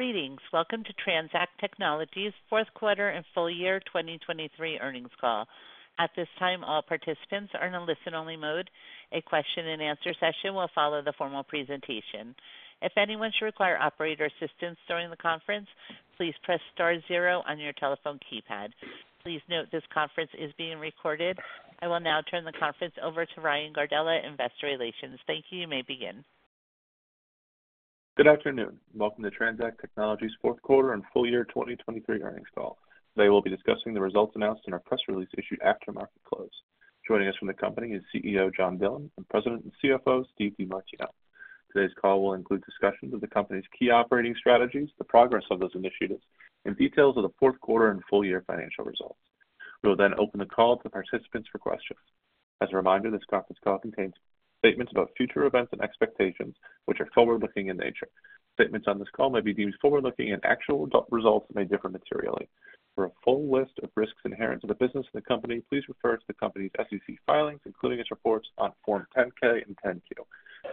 Greetings. Welcome to TransAct Technologies' fourth quarter and full year 2023 earnings call. At this time, all participants are in a listen-only mode. A question-and-answer session will follow the formal presentation. If anyone should require operator assistance during the conference, please press star zero on your telephone keypad. Please note this conference is being recorded. I will now turn the conference over to Ryan Gardella, Investor Relations. Thank you. You may begin. Good afternoon. Welcome to TransAct Technologies' fourth quarter and full year 2023 earnings call. Today we'll be discussing the results announced in our press release issued after market close. Joining us from the company is CEO John Dillon and President and CFO Steve DeMartino. Today's call will include discussions of the company's key operating strategies, the progress of those initiatives, and details of the fourth quarter and full year financial results. We will then open the call to participants for questions. As a reminder, this conference call contains statements about future events and expectations, which are forward-looking in nature. Statements on this call may be deemed forward-looking, and actual results may differ materially. For a full list of risks inherent to the business and the company, please refer to the company's SEC filings, including its reports on Form 10-K and 10-Q.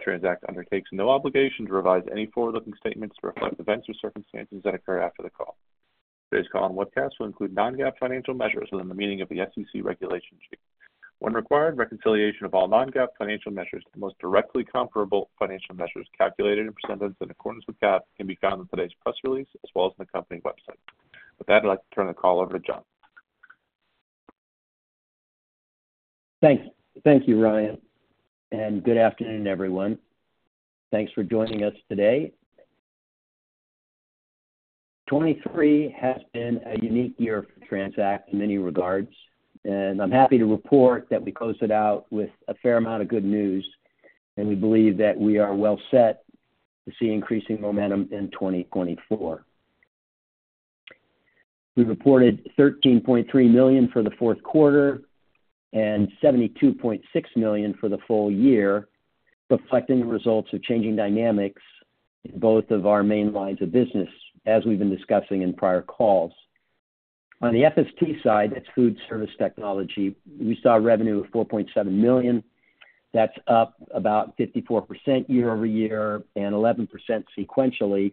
TransAct undertakes no obligation to revise any forward-looking statements to reflect events or circumstances that occur after the call. Today's call on webcast will include non-GAAP financial measures within the meaning of the SEC Regulation G. When required, reconciliation of all non-GAAP financial measures to the most directly comparable financial measures calculated and presented in accordance with GAAP can be found in today's press release as well as on the company website. With that, I'd like to turn the call over to John. Thanks. Thank you, Ryan. Good afternoon, everyone. Thanks for joining us today. 2023 has been a unique year for TransAct in many regards, and I'm happy to report that we close it out with a fair amount of good news, and we believe that we are well set to see increasing momentum in 2024. We reported $13.3 million for the fourth quarter and $72.6 million for the full year, reflecting the results of changing dynamics in both of our main lines of business, as we've been discussing in prior calls. On the FST side, that's food service technology. We saw revenue of $4.7 million. That's up about 54% year-over-year and 11% sequentially,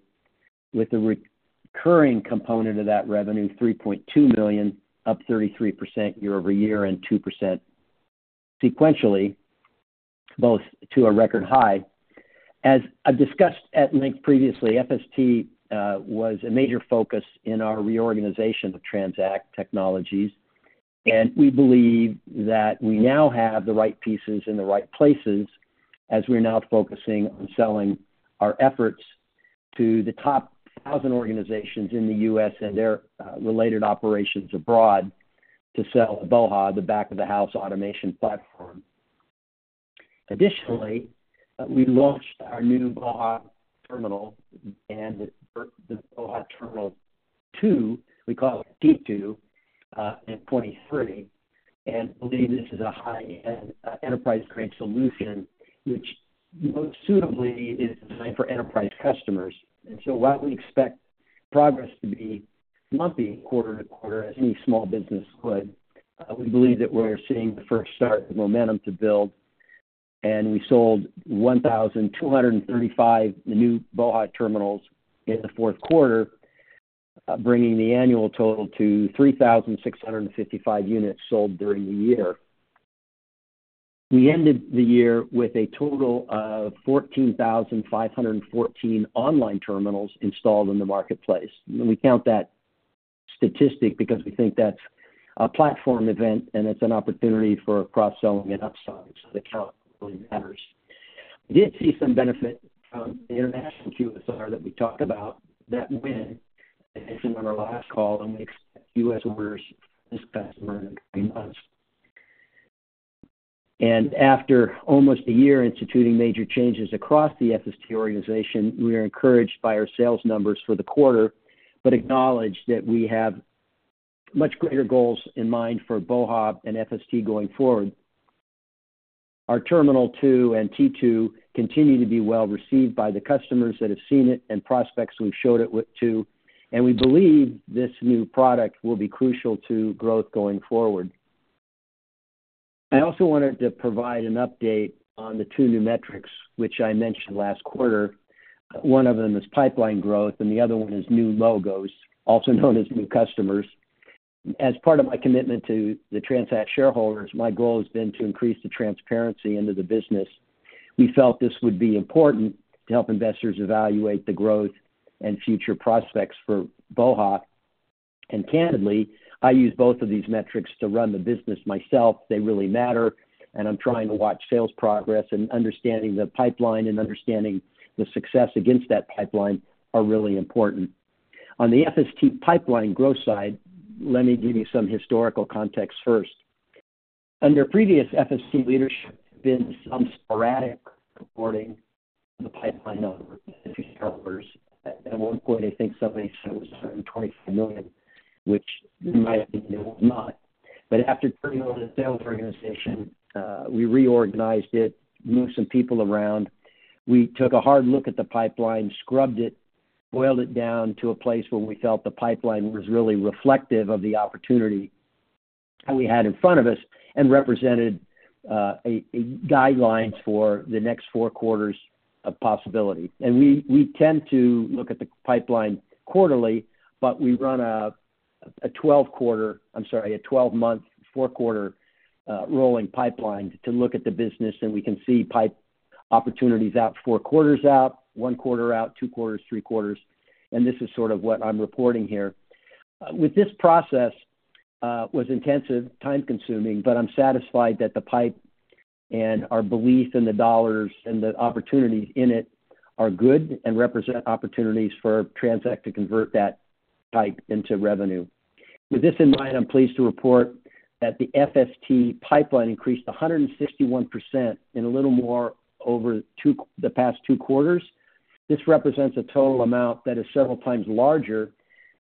with the recurring component of that revenue, $3.2 million, up 33% year-over-year and 2% sequentially, both to a record high. As I've discussed at length previously, FST was a major focus in our reorganization of TransAct Technologies, and we believe that we now have the right pieces in the right places as we're now focusing on selling our efforts to the top 1,000 organizations in the U.S. and their related operations abroad to sell BOHA!, the Back-of-the-House Automation Platform. Additionally, we launched our BOHA! Terminal 2 we call it T2 in 2023 and believe this is a high-end enterprise-grade solution, which most suitably is designed for enterprise customers. And so while we expect progress to be lumpy quarter to quarter as any small business could, we believe that we're seeing the first start of momentum to build. And we sold 1,235 new BOHA! terminals in the fourth quarter, bringing the annual total to 3,655 units sold during the year. We ended the year with a total of 14,514 online terminals installed in the marketplace. We count that statistic because we think that's a platform event and it's an opportunity for cross-selling and upselling, so the count really matters. We did see some benefit from the international QSR that we talked about, that win, as mentioned on our last call, and we expect U.S. orders from this customer in the coming months. After almost a year instituting major changes across the FST organization, we are encouraged by our sales numbers for the quarter but acknowledge that we have much greater goals in mind for BOHA! and FST going forward. Our Terminal 2 and T2 continue to be well received by the customers that have seen it and prospects we've showed it to, and we believe this new product will be crucial to growth going forward. I also wanted to provide an update on the two new metrics which I mentioned last quarter. One of them is pipeline growth, and the other one is new logos, also known as new customers. As part of my commitment to the TransAct shareholders, my goal has been to increase the transparency into the business. We felt this would be important to help investors evaluate the growth and future prospects for BOHA!. And candidly, I use both of these metrics to run the business myself. They really matter, and I'm trying to watch sales progress, and understanding the pipeline and understanding the success against that pipeline are really important. On the FST pipeline growth side, let me give you some historical context first. Under previous FST leadership, there's been some sporadic reporting of the pipeline number to shareholders. At one point, I think somebody said it was $25 million, which in my opinion, it was not. But after turning over the sales organization, we reorganized it, moved some people around, we took a hard look at the pipeline, scrubbed it, boiled it down to a place where we felt the pipeline was really reflective of the opportunity that we had in front of us and represented guidelines for the next four quarters of possibility. And we tend to look at the pipeline quarterly, but we run a 12-quarter I'm sorry, a 12-month, four-quarter rolling pipeline to look at the business, and we can see pipe opportunities out four quarters out, one quarter out, two quarters, three quarters. And this is sort of what I'm reporting here. With this process, it was intensive, time-consuming, but I'm satisfied that the pipeline and our belief in the dollars and the opportunities in it are good and represent opportunities for TransAct to convert that pipeline into revenue. With this in mind, I'm pleased to report that the FST pipeline increased 161% in a little more over the past two quarters. This represents a total amount that is several times larger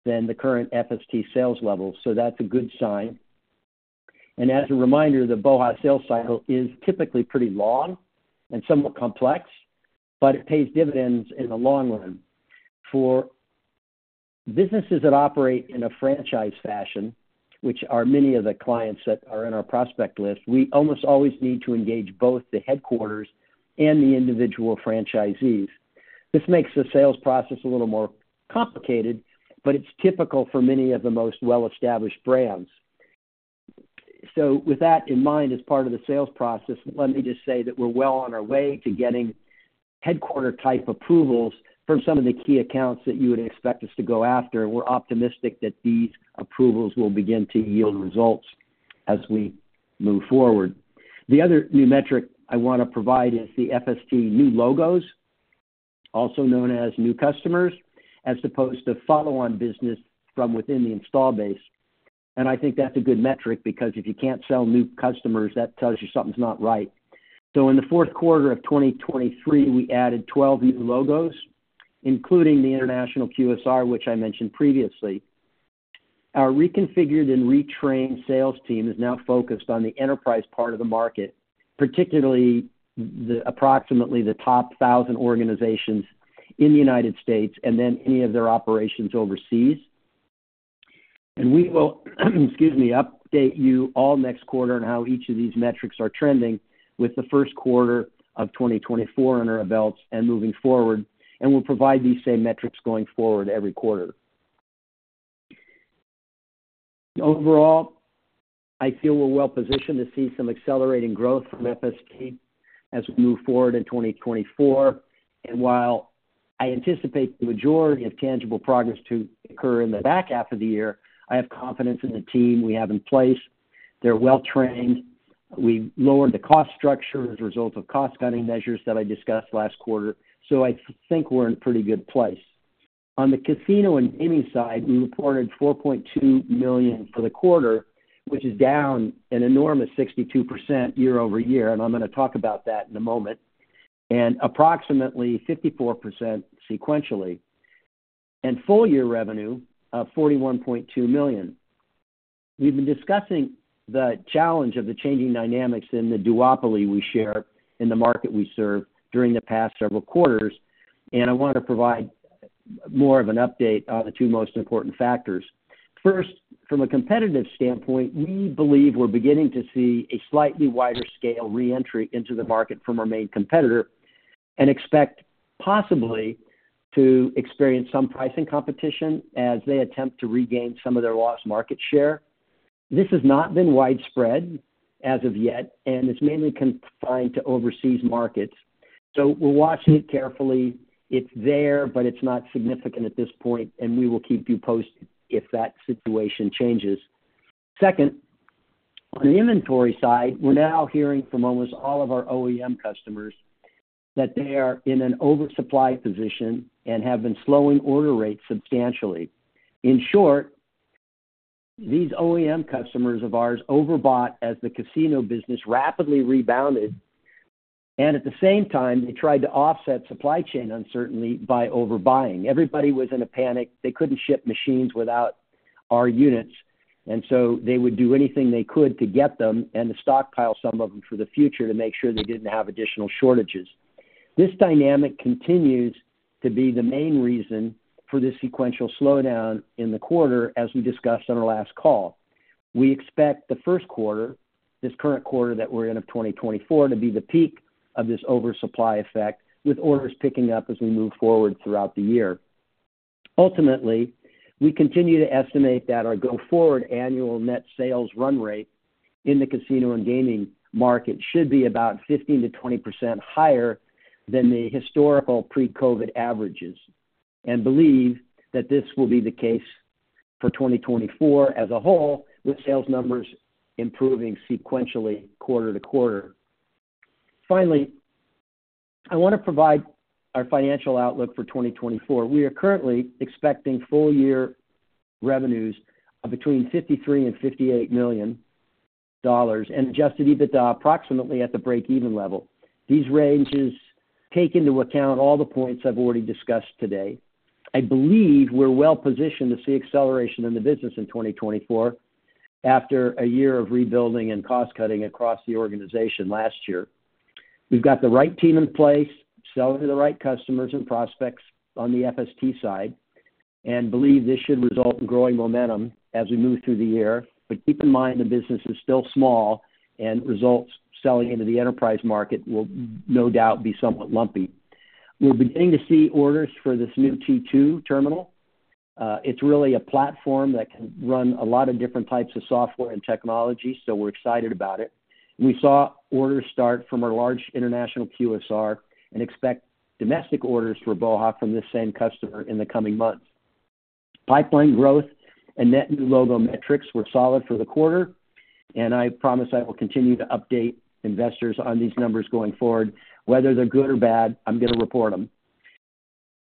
than the current FST sales levels, so that's a good sign. And as a reminder, the BOHA! sales cycle is typically pretty long and somewhat complex, but it pays dividends in the long run. For businesses that operate in a franchise fashion, which are many of the clients that are in our prospect list, we almost always need to engage both the headquarters and the individual franchisees. This makes the sales process a little more complicated, but it's typical for many of the most well-established brands. So with that in mind, as part of the sales process, let me just say that we're well on our way to getting headquarter-type approvals from some of the key accounts that you would expect us to go after, and we're optimistic that these approvals will begin to yield results as we move forward. The other new metric I want to provide is the FST new logos, also known as new customers, as opposed to follow-on business from within the install base. I think that's a good metric because if you can't sell new customers, that tells you something's not right. So in the fourth quarter of 2023, we added 12 new logos, including the international QSR, which I mentioned previously. Our reconfigured and retrained sales team is now focused on the enterprise part of the market, particularly approximately the top 1,000 organizations in the United States and then any of their operations overseas. And we will, excuse me, update you all next quarter on how each of these metrics are trending with the first quarter of 2024 on our belts and moving forward, and we'll provide these same metrics going forward every quarter. Overall, I feel we're well positioned to see some accelerating growth from FST as we move forward in 2024. And while I anticipate the majority of tangible progress to occur in the back half of the year, I have confidence in the team we have in place. They're well trained. We lowered the cost structure as a result of cost-cutting measures that I discussed last quarter, so I think we're in a pretty good place. On the casino and gaming side, we reported $4.2 million for the quarter, which is down an enormous 62% year-over-year, and I'm going to talk about that in a moment, and approximately 54% sequentially. Full year revenue of $41.2 million. We've been discussing the challenge of the changing dynamics in the duopoly we share in the market we serve during the past several quarters, and I want to provide more of an update on the two most important factors. First, from a competitive standpoint, we believe we're beginning to see a slightly wider-scale re-entry into the market from our main competitor and expect possibly to experience some pricing competition as they attempt to regain some of their lost market share. This has not been widespread as of yet, and it's mainly confined to overseas markets, so we're watching it carefully. It's there, but it's not significant at this point, and we will keep you posted if that situation changes. Second, on the inventory side, we're now hearing from almost all of our OEM customers that they are in an oversupply position and have been slowing order rates substantially. In short, these OEM customers of ours overbought as the casino business rapidly rebounded, and at the same time, they tried to offset supply chain uncertainty by overbuying. Everybody was in a panic. They couldn't ship machines without our units, and so they would do anything they could to get them and to stockpile some of them for the future to make sure they didn't have additional shortages. This dynamic continues to be the main reason for this sequential slowdown in the quarter, as we discussed on our last call. We expect the first quarter, this current quarter that we're in of 2024, to be the peak of this oversupply effect with orders picking up as we move forward throughout the year. Ultimately, we continue to estimate that our go-forward annual net sales run rate in the casino and gaming market should be about 15%-20% higher than the historical pre-COVID averages and believe that this will be the case for 2024 as a whole, with sales numbers improving sequentially quarter to quarter. Finally, I want to provide our financial outlook for 2024. We are currently expecting full year revenues of between $53 million and $58 million and Adjusted EBITDA approximately at the break-even level. These ranges take into account all the points I've already discussed today. I believe we're well positioned to see acceleration in the business in 2024 after a year of rebuilding and cost-cutting across the organization last year. We've got the right team in place, selling to the right customers and prospects on the FST side, and believe this should result in growing momentum as we move through the year. But keep in mind the business is still small, and results selling into the enterprise market will no doubt be somewhat lumpy. We're beginning to see orders for this new T2 terminal. It's really a platform that can run a lot of different types of software and technology, so we're excited about it. We saw orders start from our large international QSR and expect domestic orders for BOHA! from this same customer in the coming months. Pipeline growth and net new logo metrics were solid for the quarter, and I promise I will continue to update investors on these numbers going forward. Whether they're good or bad, I'm going to report them.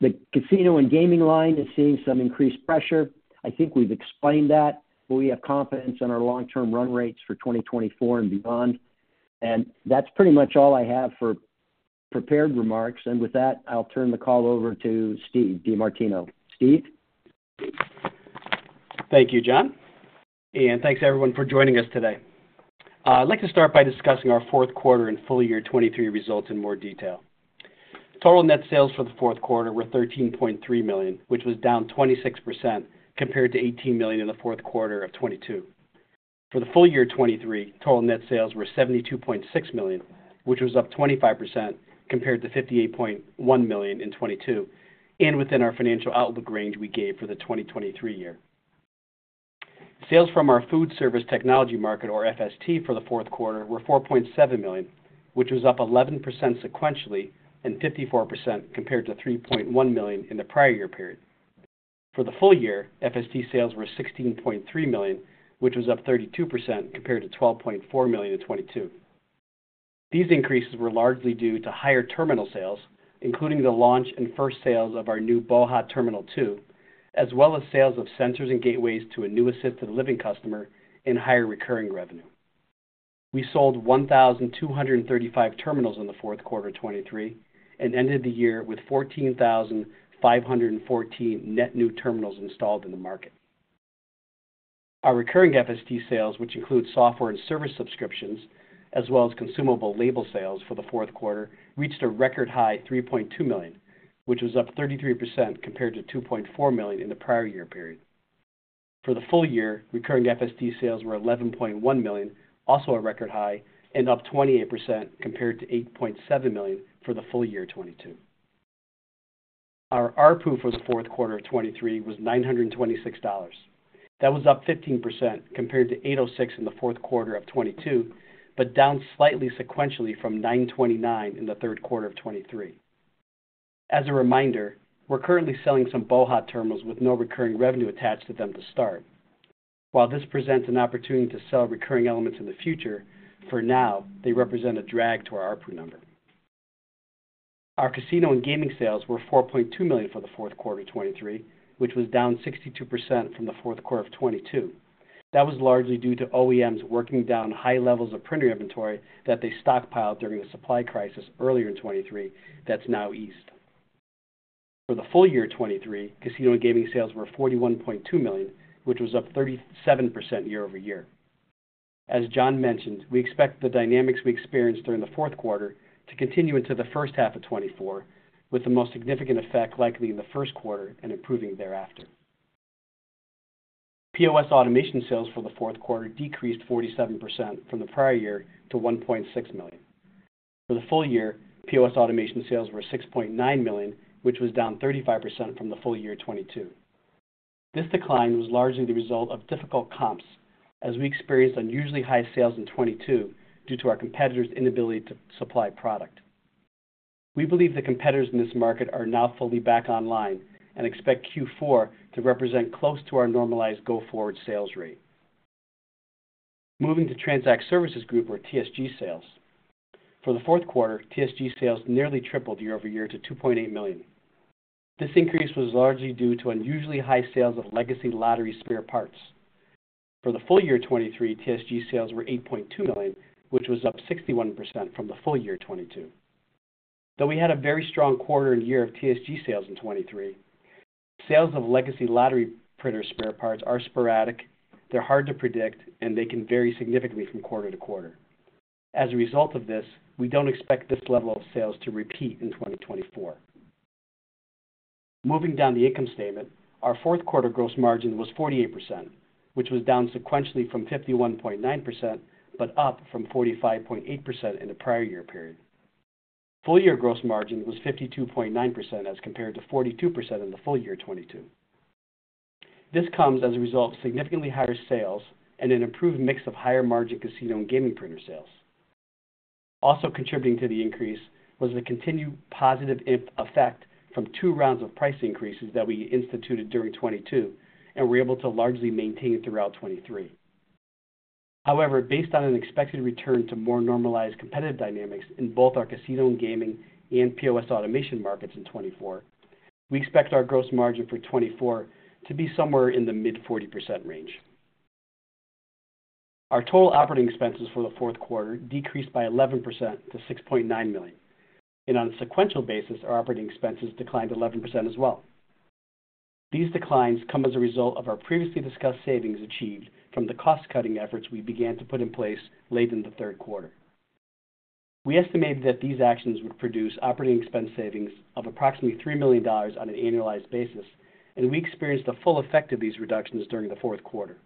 The casino and gaming line is seeing some increased pressure. I think we've explained that, but we have confidence in our long-term run rates for 2024 and beyond. And that's pretty much all I have for prepared remarks. And with that, I'll turn the call over to Steve DeMartino. Steve? Thank you, John, and thanks, everyone, for joining us today. I'd like to start by discussing our fourth quarter and full year 2023 results in more detail. Total net sales for the fourth quarter were $13.3 million, which was down 26% compared to $18 million in the fourth quarter of 2022. For the full year 2023, total net sales were $72.6 million, which was up 25% compared to $58.1 million in 2022 and within our financial outlook range we gave for the 2023 year. Sales from our food service technology market, or FST, for the fourth quarter were $4.7 million, which was up 11% sequentially and 54% compared to $3.1 million in the prior year period. For the full year, FST sales were $16.3 million, which was up 32% compared to $12.4 million in 2022. These increases were largely due to higher terminal sales, including the launch and first sales of our new BOHA! Terminal 2, as well as sales of sensors and gateways to a new assisted living customer and higher recurring revenue. We sold 1,235 terminals in the fourth quarter of 2023 and ended the year with 14,514 net new terminals installed in the market. Our recurring FST sales, which include software and service subscriptions as well as consumable label sales for the fourth quarter, reached a record high $3.2 million, which was up 33% compared to $2.4 million in the prior year period. For the full year, recurring FST sales were $11.1 million, also a record high and up 28% compared to $8.7 million for the full year 2022. Our RPU for the fourth quarter of 2023 was $926. That was up 15% compared to $806 in the fourth quarter of 2022 but down slightly sequentially from $929 in the third quarter of 2023. As a reminder, we're currently selling some BOHA! terminals with no recurring revenue attached to them to start. While this presents an opportunity to sell recurring elements in the future, for now, they represent a drag to our RPU number. Our casino and gaming sales were $4.2 million for the fourth quarter of 2023, which was down 62% from the fourth quarter of 2022. That was largely due to OEMs working down high levels of printer inventory that they stockpiled during the supply crisis earlier in 2023 that's now eased. For the full year 2023, casino and gaming sales were $41.2 million, which was up 37% year-over-year. As John mentioned, we expect the dynamics we experienced during the fourth quarter to continue into the first half of 2024, with the most significant effect likely in the first quarter and improving thereafter. POS automation sales for the fourth quarter decreased 47% from the prior year to $1.6 million. For the full year, POS automation sales were $6.9 million, which was down 35% from the full year 2022. This decline was largely the result of difficult comps as we experienced unusually high sales in 2022 due to our competitors' inability to supply product. We believe the competitors in this market are now fully back online and expect Q4 to represent close to our normalized go-forward sales rate. Moving to TransAct Services Group, or TSG sales. For the fourth quarter, TSG sales nearly tripled year-over-year to $2.8 million. This increase was largely due to unusually high sales of legacy lottery spare parts. For the full year 2023, TSG sales were $8.2 million, which was up 61% from the full year 2022. Though we had a very strong quarter and year of TSG sales in 2023, sales of legacy lottery printer spare parts are sporadic, they're hard to predict, and they can vary significantly from quarter to quarter. As a result of this, we don't expect this level of sales to repeat in 2024. Moving down the income statement, our fourth quarter gross margin was 48%, which was down sequentially from 51.9% but up from 45.8% in the prior year period. Full year gross margin was 52.9% as compared to 42% in the full year 2022. This comes as a result of significantly higher sales and an improved mix of higher margin casino and gaming printer sales. Also contributing to the increase was the continued positive effect from two rounds of price increases that we instituted during 2022 and were able to largely maintain throughout 2023. However, based on an expected return to more normalized competitive dynamics in both our casino and gaming and POS automation markets in 2024, we expect our gross margin for 2024 to be somewhere in the mid-40% range. Our total operating expenses for the fourth quarter decreased by 11% to $6.9 million, and on a sequential basis, our operating expenses declined 11% as well. These declines come as a result of our previously discussed savings achieved from the cost-cutting efforts we began to put in place late in the third quarter. We estimated that these actions would produce operating expense savings of approximately $3 million on an annualized basis, and we experienced the full effect of these reductions during the fourth quarter.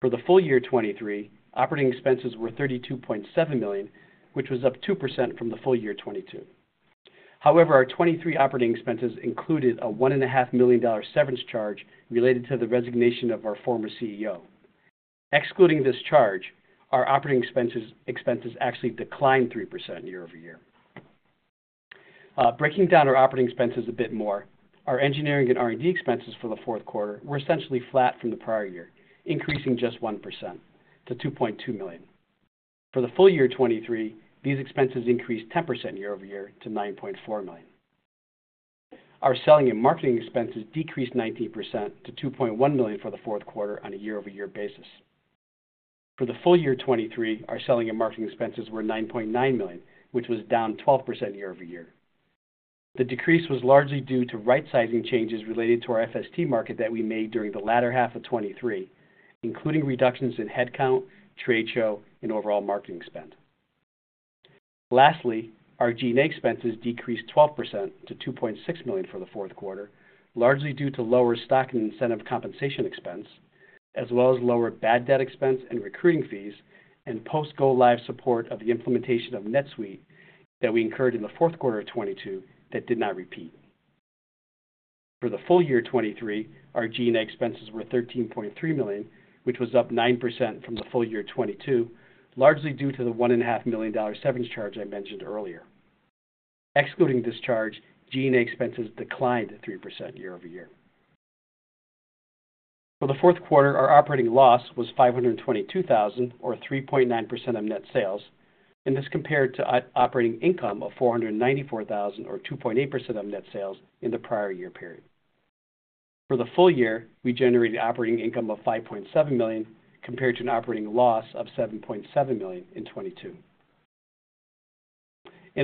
For the full year 2023, operating expenses were $32.7 million, which was up 2% from the full year 2022. However, our 2023 operating expenses included a $1.5 million severance charge related to the resignation of our former CEO. Excluding this charge, our operating expenses actually declined 3% year-over-year. Breaking down our operating expenses a bit more, our engineering and R&D expenses for the fourth quarter were essentially flat from the prior year, increasing just 1% to $2.2 million. For the full year 2023, these expenses increased 10% year-over-year to $9.4 million. Our selling and marketing expenses decreased 19% to $2.1 million for the fourth quarter on a year-over-year basis. For the full year 2023, our selling and marketing expenses were $9.9 million, which was down 12% year-over-year. The decrease was largely due to right-sizing changes related to our FST market that we made during the latter half of 2023, including reductions in headcount, trade show, and overall marketing spend. Lastly, our G&A expenses decreased 12% to $2.6 million for the fourth quarter, largely due to lower stock and incentive compensation expense, as well as lower bad debt expense and recruiting fees and post-go live support of the implementation of NetSuite that we incurred in the fourth quarter of 2022 that did not repeat. For the full year 2023, our G&A expenses were $13.3 million, which was up 9% from the full year 2022, largely due to the $1.5 million severance charge I mentioned earlier. Excluding this charge, G&A expenses declined 3% year over year. For the fourth quarter, our operating loss was $522,000, or 3.9% of net sales, and this compared to operating income of $494,000, or 2.8% of net sales in the prior year period. For the full year, we generated operating income of $5.7 million compared to an operating loss of $7.7 million in 2022.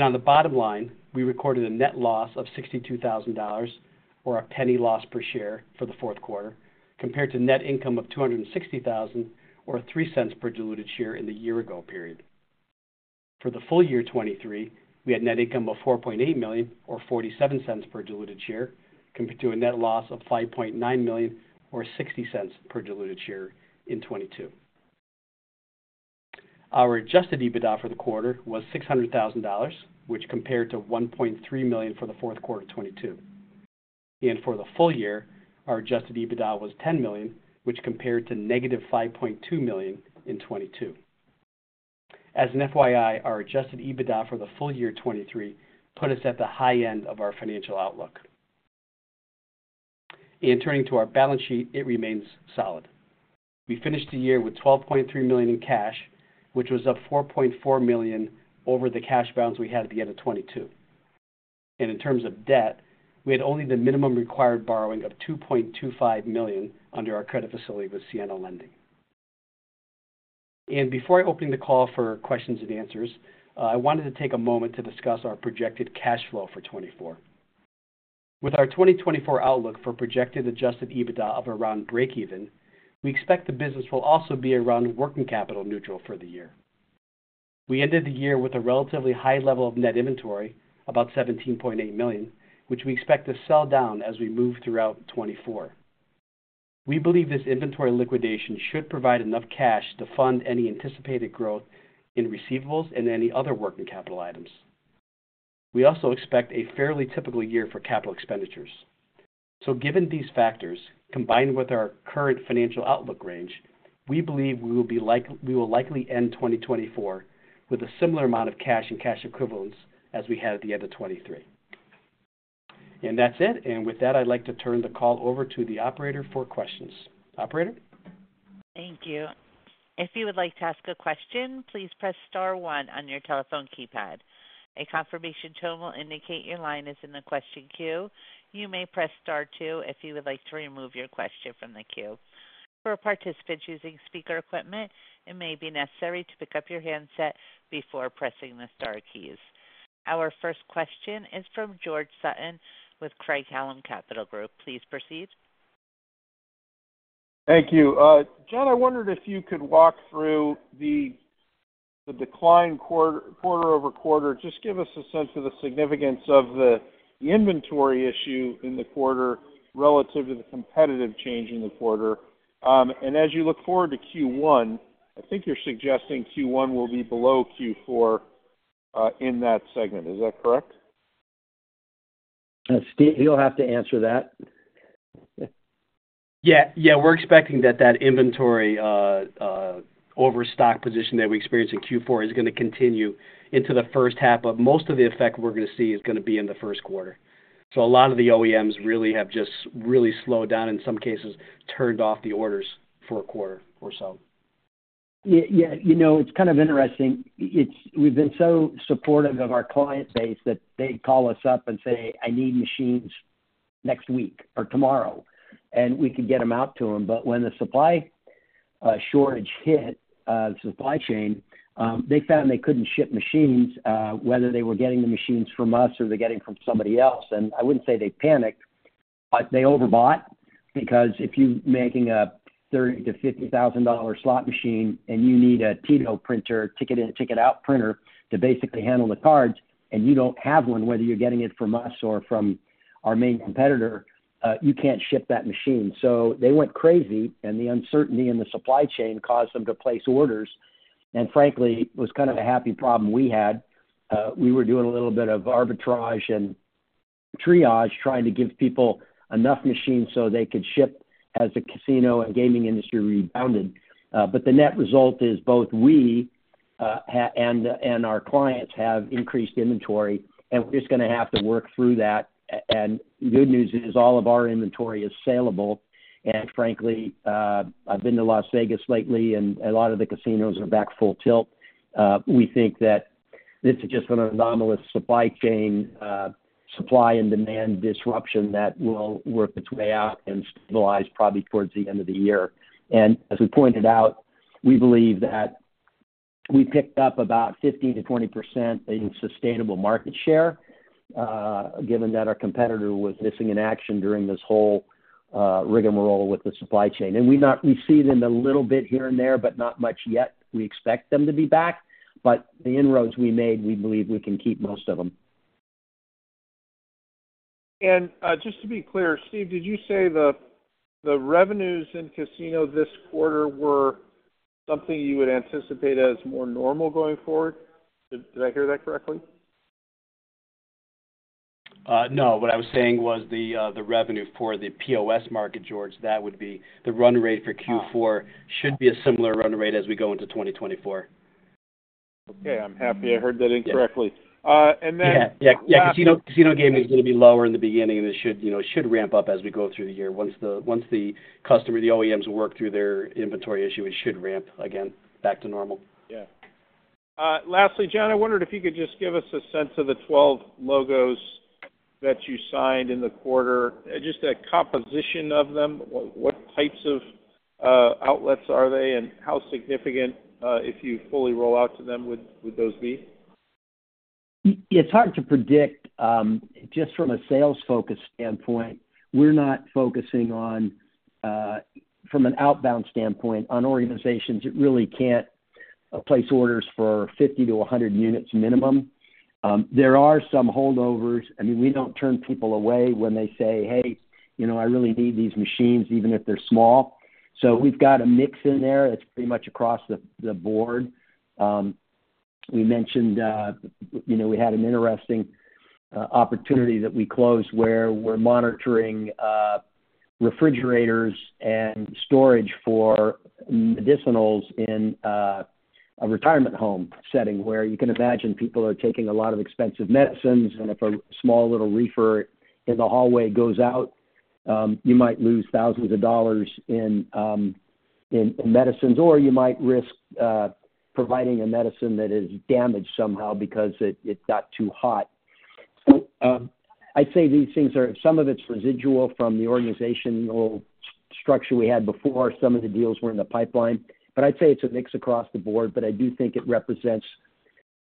On the bottom line, we recorded a net loss of $62,000, or a $0.01 loss per share for the fourth quarter, compared to net income of $260,000, or $0.03 per diluted share in the year-ago period. For the full year 2023, we had net income of $4.8 million, or $0.47 per diluted share, compared to a net loss of $5.9 million, or $0.60 per diluted share in 2022. Our Adjusted EBITDA for the quarter was $600,000, which compared to $1.3 million for the fourth quarter of 2022. For the full year, our Adjusted EBITDA was $10 million, which compared to negative $5.2 million in 2022. As an FYI, our Adjusted EBITDA for the full year 2023 put us at the high end of our financial outlook. Turning to our balance sheet, it remains solid. We finished the year with $12.3 million in cash, which was up $4.4 million over the cash balance we had at the end of 2022. In terms of debt, we had only the minimum required borrowing of $2.25 million under our credit facility with Siena Lending. Before I open the call for questions and answers, I wanted to take a moment to discuss our projected cash flow for 2024. With our 2024 outlook for projected Adjusted EBITDA of around break-even, we expect the business will also be around working capital neutral for the year. We ended the year with a relatively high level of net inventory, about $17.8 million, which we expect to sell down as we move throughout 2024. We believe this inventory liquidation should provide enough cash to fund any anticipated growth in receivables and any other working capital items. We also expect a fairly typical year for capital expenditures. So given these factors, combined with our current financial outlook range, we believe we will likely end 2024 with a similar amount of cash and cash equivalents as we had at the end of 2023. And that's it, and with that, I'd like to turn the call over to the operator for questions. Operator? Thank you. If you would like to ask a question, please press star one on your telephone keypad. A confirmation tone will indicate your line is in the question queue. You may press star two if you would like to remove your question from the queue. For participants using speaker equipment, it may be necessary to pick up your handset before pressing the star keys. Our first question is from George Sutton with Craig-Hallum Capital Group. Please proceed. Thank you. John, I wondered if you could walk through the decline quarter-over-quarter. Just give us a sense of the significance of the inventory issue in the quarter relative to the competitive change in the quarter. And as you look forward to Q1, I think you're suggesting Q1 will be below Q4 in that segment. Is that correct? Steve, you'll have to answer that. Yeah. Yeah. We're expecting that that inventory overstock position that we experienced in Q4 is going to continue into the first half, but most of the effect we're going to see is going to be in the first quarter. So a lot of the OEMs really have just really slowed down and, in some cases, turned off the orders for a quarter or so. Yeah. It's kind of interesting. We've been so supportive of our client base that they call us up and say, "I need machines next week or tomorrow," and we could get them out to them. But when the supply shortage hit the supply chain, they found they couldn't ship machines, whether they were getting the machines from us or they're getting from somebody else. And I wouldn't say they panicked, but they overbought because if you're making a $30,000-$50,000 slot machine and you need a TITO printer, Ticket-in and Ticket-out printer to basically handle the cards, and you don't have one, whether you're getting it from us or from our main competitor, you can't ship that machine. So they went crazy, and the uncertainty in the supply chain caused them to place orders, and frankly, it was kind of a happy problem we had. We were doing a little bit of arbitrage and triage trying to give people enough machines so they could ship as the casino and gaming industry rebounded. But the net result is both we and our clients have increased inventory, and we're just going to have to work through that. And the good news is all of our inventory is saleable. And frankly, I've been to Las Vegas lately, and a lot of the casinos are back full tilt. We think that this is just an anomalous supply and demand disruption that will work its way out and stabilize probably towards the end of the year. And as we pointed out, we believe that we picked up about 15%-20% in sustainable market share, given that our competitor was missing an action during this whole rigmarole with the supply chain. And we see them a little bit here and there, but not much yet. We expect them to be back, but the inroads we made, we believe we can keep most of them. And just to be clear, Steve, did you say the revenues in casinos this quarter were something you would anticipate as more normal going forward? Did I hear that correctly? No. What I was saying was the revenue for the POS market, George, that would be the run rate for Q4 should be a similar run rate as we go into 2024. Okay. I'm happy I heard that incorrectly. And then. Yeah. Yeah. Casino gaming is going to be lower in the beginning, and it should ramp up as we go through the year. Once the customer, the OEMs, work through their inventory issue, it should ramp again back to normal. Yeah. Lastly, John, I wondered if you could just give us a sense of the 12 logos that you signed in the quarter, just a composition of them. What types of outlets are they, and how significant, if you fully roll out to them, would those be? It's hard to predict. Just from a sales-focused standpoint, we're not focusing on, from an outbound standpoint, on organizations that really can't place orders for 50-100 units minimum. There are some holdovers. I mean, we don't turn people away when they say, "Hey, I really need these machines," even if they're small. So we've got a mix in there that's pretty much across the board. We mentioned we had an interesting opportunity that we closed where we're monitoring refrigerators and storage for medicinals in a retirement home setting where you can imagine people are taking a lot of expensive medicines, and if a small little reefer in the hallway goes out, you might lose thousands of dollars in medicines, or you might risk providing a medicine that is damaged somehow because it got too hot. So I'd say these things are some of it's residual from the organizational structure we had before. Some of the deals were in the pipeline, but I'd say it's a mix across the board. But I do think it represents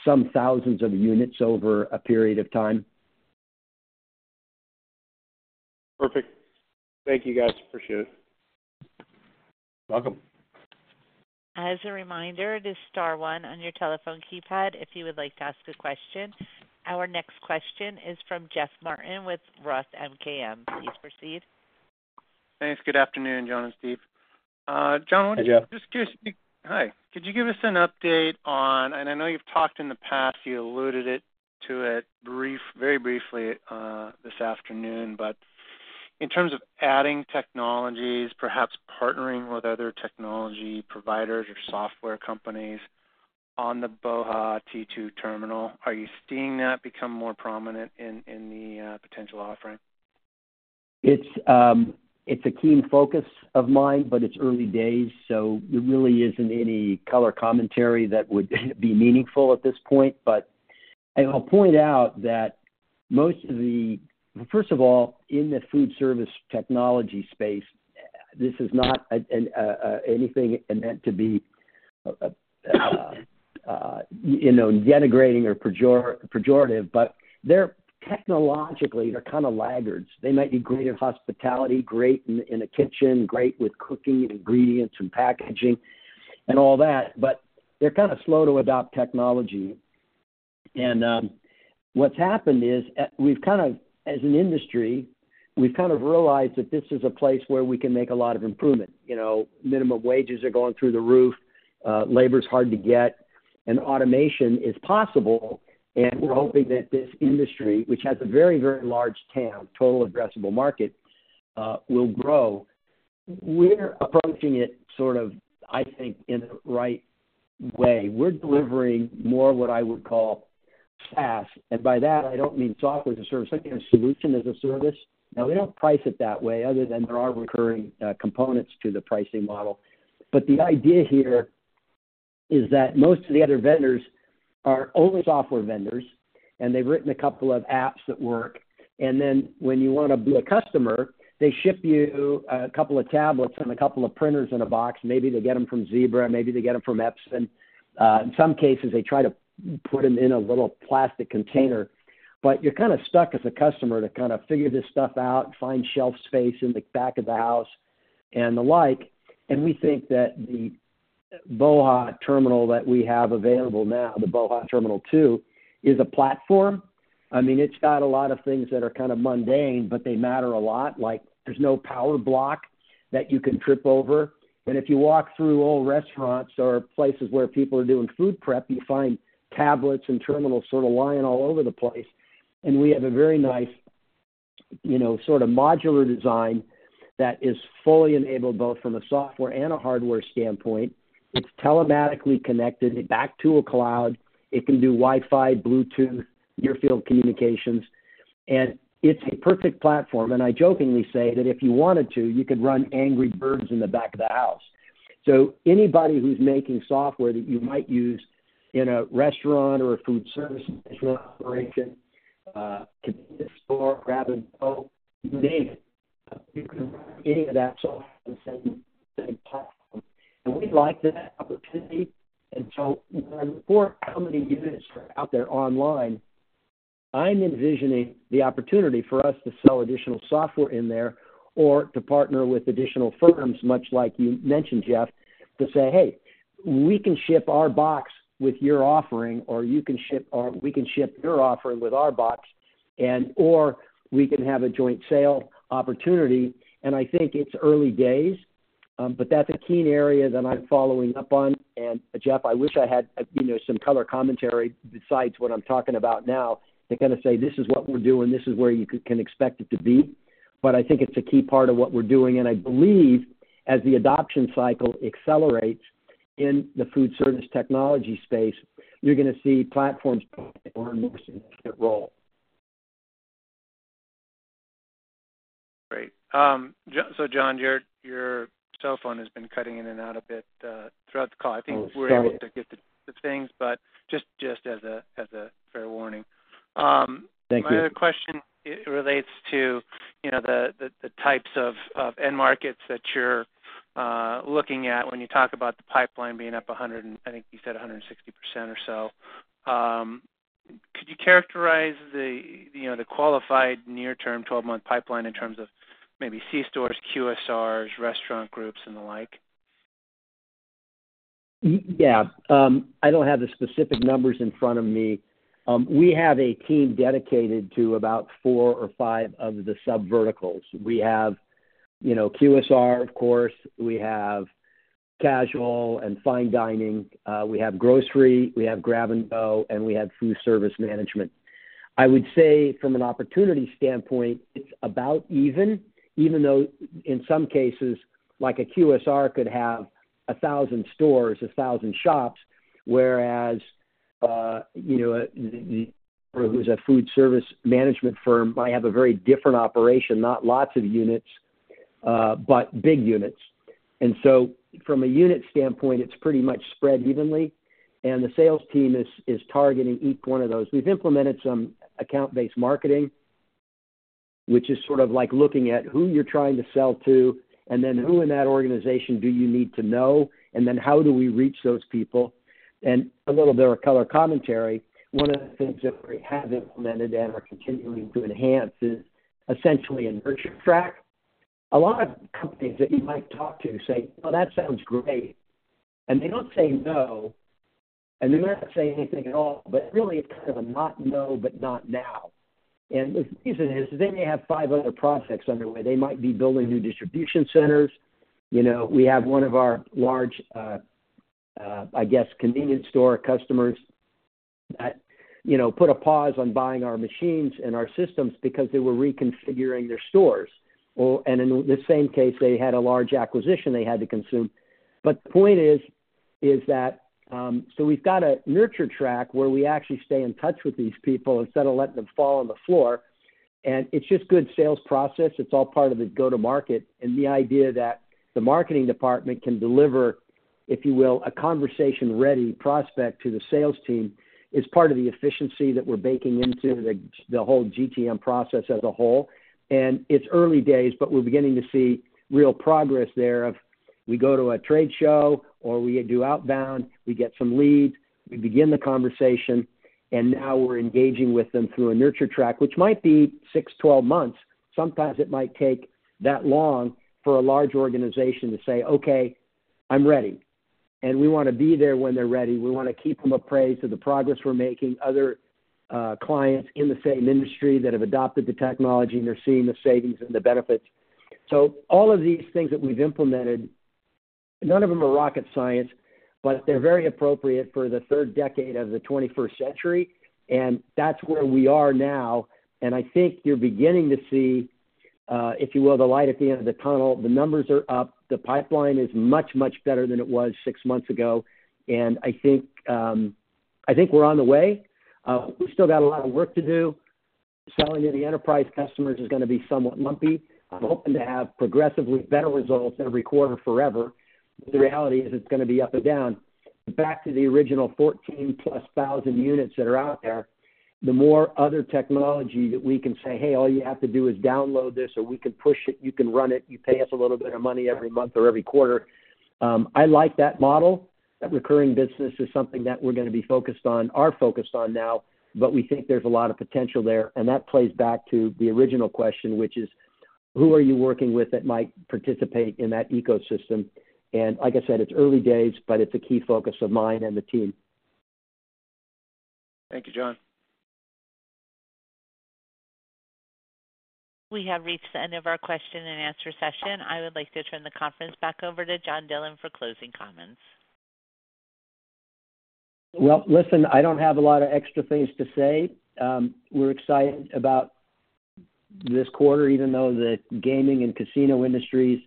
some thousands of units over a period of time. Perfect. Thank you, guys. Appreciate it. Welcome. As a reminder, this is star one on your telephone keypad if you would like to ask a question. Our next question is from Jeff Martin with Roth MKM. Please proceed. Thanks. Good afternoon, John and Steve. Hey, Jeff. Could you give us an update on, and I know you've talked in the past. You alluded to it very briefly this afternoon. But in terms of adding technologies, perhaps partnering with other technology providers or software companies on BOHA! T2 terminal, are you seeing that become more prominent in the potential offering? It's a keen focus of mine, but it's early days, so there really isn't any color commentary that would be meaningful at this point. But I'll point out that most of the first of all, in the food service technology space, this is not anything meant to be denigrating or pejorative, but technologically, they're kind of laggards. They might be great at hospitality, great in a kitchen, great with cooking and ingredients and packaging and all that, but they're kind of slow to adopt technology. What's happened is we've kind of as an industry, we've kind of realized that this is a place where we can make a lot of improvement. Minimum wages are going through the roof, labor's hard to get, and automation is possible. We're hoping that this industry, which has a very, very large TAM, total addressable market, will grow. We're approaching it sort of, I think, in the right way. We're delivering more of what I would call SaaS. By that, I don't mean software as a service. I mean a solution as a service. Now, we don't price it that way other than there are recurring components to the pricing model. But the idea here is that most of the other vendors are only software vendors, and they've written a couple of apps that work. And then when you want to be a customer, they ship you a couple of tablets and a couple of printers in a box. Maybe they get them from Zebra. Maybe they get them from Epson. In some cases, they try to put them in a little plastic container. But you're kind of stuck as a customer to kind of figure this stuff out, find shelf space in the back of the house and the like. And we think that the BOHA! terminal that we have available now, the BOHA! Terminal 2, is a platform. I mean, it's got a lot of things that are kind of mundane, but they matter a lot. There's no power block that you can trip over. If you walk through old restaurants or places where people are doing food prep, you find tablets and terminals sort of lying all over the place. We have a very nice sort of modular design that is fully enabled both from a software and a hardware standpoint. It's telematically connected back to a cloud. It can do Wi-Fi, Bluetooth, near-field communications. It's a perfect platform. I jokingly say that if you wanted to, you could run Angry Birds in the back of the house. So anybody who's making software that you might use in a restaurant or a food service operation, convenience store, grab and go you name it, you can run any of that software in the same platform. We'd like that opportunity. And so for how many units are out there online, I'm envisioning the opportunity for us to sell additional software in there or to partner with additional firms, much like you mentioned, Jeff, to say, "Hey, we can ship our box with your offering," or, "You can ship your offering with our box," or, "We can have a joint sale opportunity." And I think it's early days, but that's a keen area that I'm following up on. And Jeff, I wish I had some color commentary besides what I'm talking about now to kind of say, "This is what we're doing. This is where you can expect it to be." But I think it's a key part of what we're doing. And I believe, as the adoption cycle accelerates in the food service technology space, you're going to see platforms play a more significant role. Great. So, John, your cell phone has been cutting in and out a bit throughout the call. I think we're able to get the gist of things, but just as a fair warning. Thank you. My other question relates to the types of end markets that you're looking at when you talk about the pipeline being up 100 and I think you said 160% or so. Could you characterize the qualified near-term 12-month pipeline in terms of maybe C-stores, QSRs, restaurant groups, and the like? Yeah. I don't have the specific numbers in front of me. We have a team dedicated to about four or five of the subverticals. We have QSR, of course. We have casual and fine dining. We have grocery. We have Grab and Go. And we have food service management. I would say, from an opportunity standpoint, it's about even, even though in some cases, a QSR could have 1,000 stores, 1,000 shops, whereas a food service management firm might have a very different operation, not lots of units but big units. And so from a unit standpoint, it's pretty much spread evenly, and the sales team is targeting each one of those. We've implemented some account-based marketing, which is sort of like looking at who you're trying to sell to and then who in that organization do you need to know and then how do we reach those people. And a little bit of color commentary, one of the things that we have implemented and are continuing to enhance is essentially a nurture track. A lot of companies that you might talk to say, "Well, that sounds great," and they don't say no, and they're not saying anything at all. But really, it's kind of a not-no but not-now. And the reason is they may have five other projects underway. They might be building new distribution centers. We have one of our large, I guess, convenience store customers that put a pause on buying our machines and our systems because they were reconfiguring their stores. And in the same case, they had a large acquisition they had to consume. But the point is that so we've got a nurture track where we actually stay in touch with these people instead of letting them fall on the floor. And it's just good sales process. It's all part of the go-to-market. The idea that the marketing department can deliver, if you will, a conversation-ready prospect to the sales team is part of the efficiency that we're baking into the whole GTM process as a whole. It's early days, but we're beginning to see real progress there as we go to a trade show or we do outbound. We get some leads. We begin the conversation. Now we're engaging with them through a nurture track, which might be six, 12 months. Sometimes it might take that long for a large organization to say, "Okay, I'm ready." We want to be there when they're ready. We want to keep them appraised of the progress we're making, other clients in the same industry that have adopted the technology, and they're seeing the savings and the benefits. So all of these things that we've implemented, none of them are rocket science, but they're very appropriate for the third decade of the 21st century. And that's where we are now. And I think you're beginning to see, if you will, the light at the end of the tunnel. The numbers are up. The pipeline is much, much better than it was six months ago. And I think we're on the way. We've still got a lot of work to do. Selling to the enterprise customers is going to be somewhat lumpy. I'm hoping to have progressively better results every quarter forever, but the reality is it's going to be up and down. Back to the original 14,000+ units that are out there, the more other technology that we can say, "Hey, all you have to do is download this," or, "We can push it. You can run it. You pay us a little bit of money every month or every quarter," I like that model. That recurring business is something that we're going to be focused on, are focused on now, but we think there's a lot of potential there. And that plays back to the original question, which is, "Who are you working with that might participate in that ecosystem?" And like I said, it's early days, but it's a key focus of mine and the team. Thank you, John. We have reached the end of our question-and-answer session. I would like to turn the conference back over to John Dillon for closing comments. Well, listen, I don't have a lot of extra things to say. We're excited about this quarter, even though the gaming and casino industry's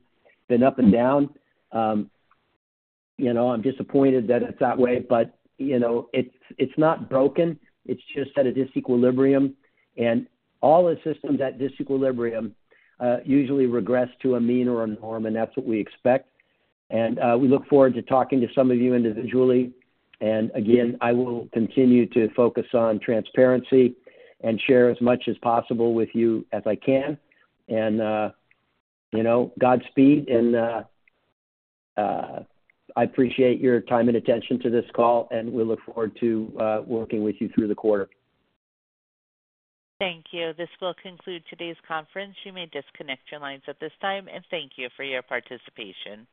been up and down. I'm disappointed that it's that way, but it's not broken. It's just at a disequilibrium. All the systems at disequilibrium usually regress to a mean or a norm, and that's what we expect. We look forward to talking to some of you individually. Again, I will continue to focus on transparency and share as much as possible with you as I can. Godspeed. I appreciate your time and attention to this call, and we look forward to working with you through the quarter. Thank you. This will conclude today's conference. You may disconnect your lines at this time. Thank you for your participation.